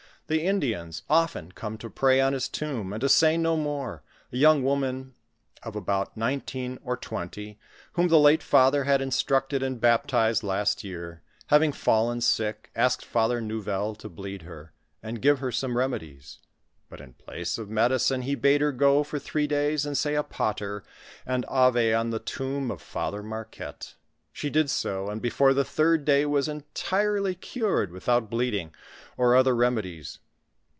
The Indians often come to pray on his tomb, and to say no more, a young woman of about nineteen or twenty, whom the late father had instructed and baptized last year, having fallen sick, asked Father Nouvel to bleed her, and give her some remedies ; but in place of medicine he bade her go for throe days and say a pater and ave on the tomb of Father Marquette. She did so, and before the third day, was entirely cured with' out bleeding or other remedies.